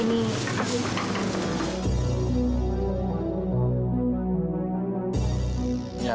ini aku tidak